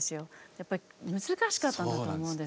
やっぱり難しかったんだと思うんですね。